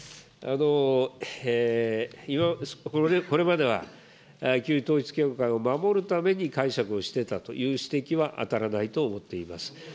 これまでは、旧統一教会を守るために解釈をしてたという指摘は当たらないと思っています。